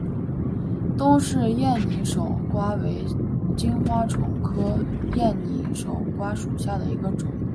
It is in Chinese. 东氏艳拟守瓜为金花虫科艳拟守瓜属下的一个种。